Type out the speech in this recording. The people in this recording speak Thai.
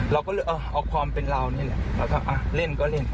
เราก็เลยเอาความเป็นเรานี่แหละแล้วก็เล่นก็เล่น